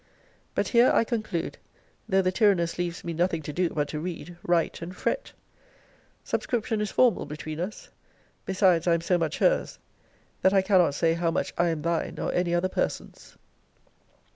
But here I conclude; though the tyranness leaves me nothing to do but to read, write, and fret. Subscription is formal between us. Besides, I am so much her's, that I cannot say how much I am thine or any other person's.